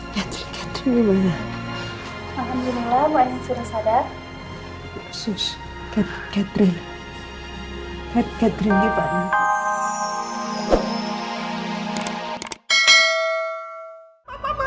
katrin katrin dimana